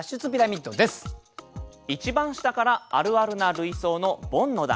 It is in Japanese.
一番下からあるあるな類想のボンの段。